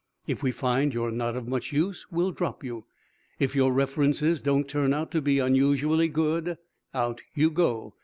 If we find you're not of much use we'll drop you. If your references don't turn out to be unusually good, out you go!